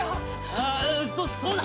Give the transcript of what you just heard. ああそそうだ。